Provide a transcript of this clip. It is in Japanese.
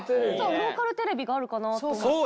ローカルテレビがあると思って。